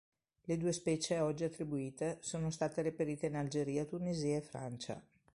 Le due specie oggi attribuite sono state reperite in Algeria, Tunisia e Francia.